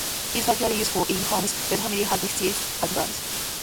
It is particularly useful in homes where the family has mixed handedness.